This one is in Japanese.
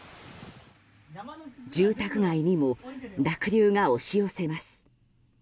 住宅街にも濁流が押し寄せます。